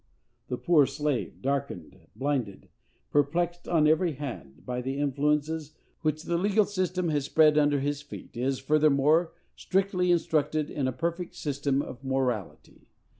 The poor slave, darkened, blinded, perplexed on every hand, by the influences which the legal system has spread under his feet, is, furthermore, strictly instructed in a perfect system of morality.